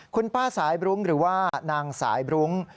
คุณป้าสายบรุ้งหรือว่านางสายบรุ้ง